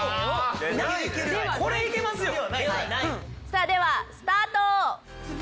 さあではスタート！